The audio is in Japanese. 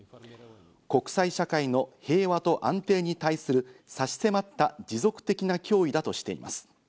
国際社会の平和と安定に対する差し迫った持続的な脅威だとしています。